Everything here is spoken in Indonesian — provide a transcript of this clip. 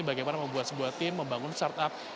bagaimana membuat sebuah tim membangun startup